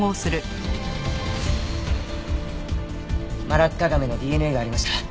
マラッカガメのＤＮＡがありました。